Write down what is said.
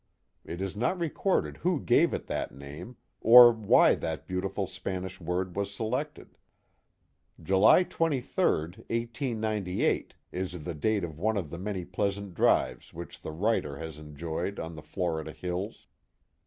It is not recorded who gave it that name, or why that beauti ful Spanish word was selected. July 23, 1898, is the date of one of the many pleasant drives which the writer has enjoyed on the Florida Hills.